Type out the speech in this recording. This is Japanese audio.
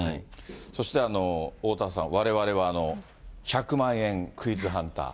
そして、おおたわさん、われわれは１００万円クイズハンター。